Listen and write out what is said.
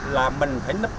là mình phải nấp dưới thừa